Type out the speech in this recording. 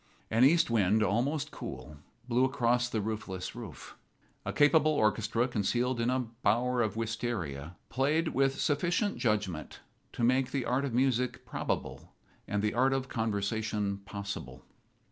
An east wind, almost cool, blew across the roofless roof. A capable orchestra concealed in a bower of wistaria played with sufficient judgment to make the art of music probable and the art of conversation possible.